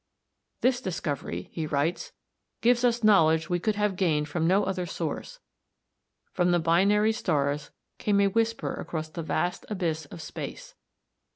"This discovery," he writes, "gave us knowledge we could have gained from no other source. From the binary stars came a whisper across the vast abyss of space.